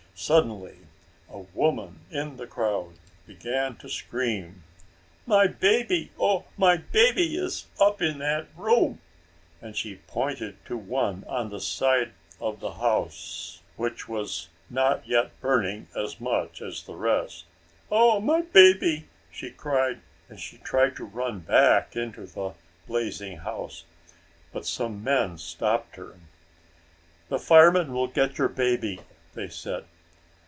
Suddenly a woman in the crowd began to scream. "My baby! Oh, my little baby is up in that room," and she pointed to one on the side of the house which was not yet burning as much as the rest. "Oh, my baby!" she cried, and she tried to run back into the blazing house, but some men stopped her. "The firemen will get your baby," they said.